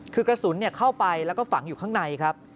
คือกระสุนเข้าไปแล้วก็ฝังอยู่ข้างในครับ